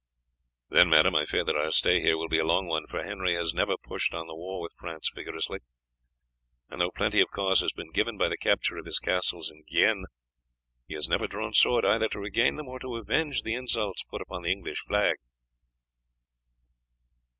"Then, madam, I fear that our stay here will be a long one, for Henry has never pushed on the war with France vigorously, and though plenty of cause has been given by the capture of his castles in Guienne, he has never drawn sword either to regain them or to avenge the insults put upon the English flag."